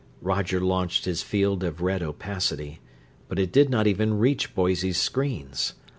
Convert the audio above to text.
Roger launched his field of red opacity, but it did not reach even Boise's screens.